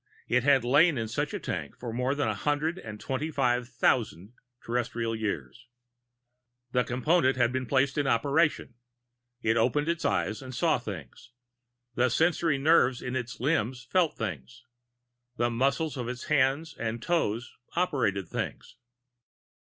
It had lain in such a tank for more than a hundred and twenty five thousand Terrestrial years. The Component was placed in operation. It opened its eyes and saw things. The sensory nerves of its limbs felt things. The muscles of its hands and toes operated things.